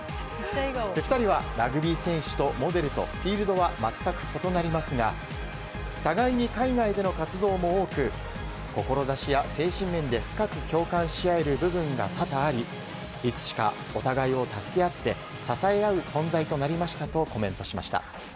２人はラグビー選手とモデルとフィールドは全く異なりますが互いに海外での活動も多く志は精神面で深く共感し合える部分が多々ありいつしか、お互いを助け合って支え合う存在となりましたとコメントしました。